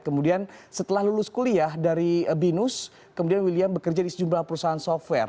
kemudian setelah lulus kuliah dari binus kemudian william bekerja di sejumlah perusahaan software